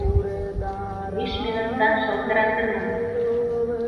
Биш минуттан шылтыратырмын